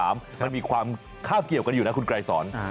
มันมีความคาบเกี่ยวกันอยู่นะคุณไกรสอน